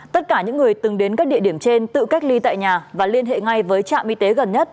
tất cả những người từng đến các địa điểm trên tự cách ly tại nhà và liên hệ ngay với trạm y tế gần nhất